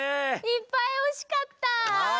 いっぱいおしかった。